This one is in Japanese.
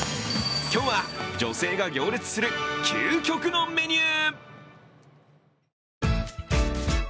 今日は女性が行列する究極のメニュー。